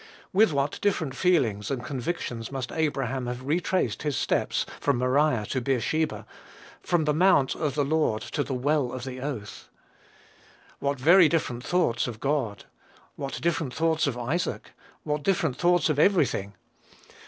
With what different feelings and convictions must Abraham have retraced his steps from Moriah to Beersheba! from the mount of the Lord to the well of the oath! What very different thoughts of God! What different thoughts of Isaac! What different thoughts of every thing!